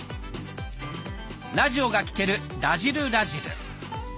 ラジオが聴ける「らじる★らじる」。